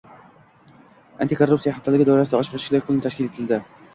“Antikorrupsiya haftaligi” doirasida “Ochiq eshiklar kuni” tashkil etildi